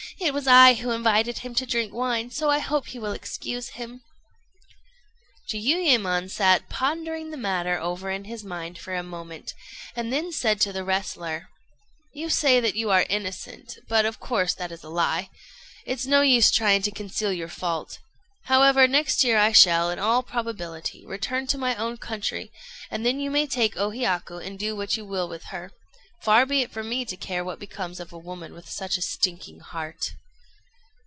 It was I who invited him to drink wine; so I hope you will excuse him." Jiuyémon sat pondering the matter over in his mind for a moment, and then said to the wrestler, "You say that you are innocent; but, of course, that is a lie. It's no use trying to conceal your fault. However, next year I shall, in all probability, return to my own country, and then you may take O Hiyaku and do what you will with her: far be it from me to care what becomes of a woman with such a stinking heart."